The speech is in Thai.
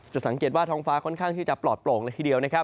สังเกตว่าท้องฟ้าค่อนข้างที่จะปลอดโปร่งเลยทีเดียวนะครับ